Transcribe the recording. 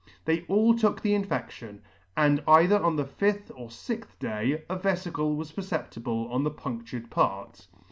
They all took the infection, and either on the fifth or fixth day a veficle was perceptible on the punCtured part.